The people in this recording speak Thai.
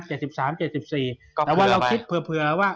แต่ว่าเราคิดเผื่อว่า